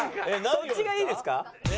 そっちがいいですか？